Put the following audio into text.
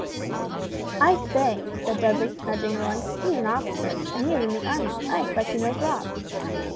"I say," said Dudley, nudging Roy; "he's an officer, and he is in the army, I expect he knows Rob."